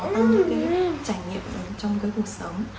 những cái trải nghiệm trong cuộc sống